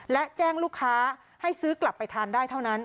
และแจ้งลูกค้าให้ซื้อกลับไปทานได้เท่านั้น